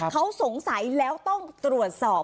เขาสงสัยแล้วต้องตรวจสอบ